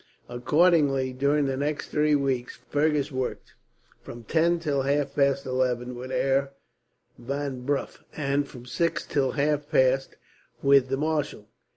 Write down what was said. Accordingly, during the next three weeks Fergus worked, from ten till half past eleven, with Herr Van Bruff; and from six till half past with the marshal.